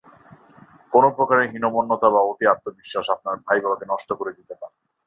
কোনো প্রকারের হীনম্মন্যতা কিংবা অতি আত্মবিশ্বাস আপনার ভাইভাকে নষ্ট করে দিতে পারে।